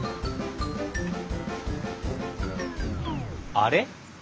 あれ？